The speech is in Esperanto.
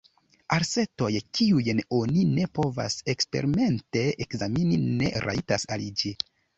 Asertoj, kiujn oni ne povas eksperimente ekzameni, ne rajtas aliĝi.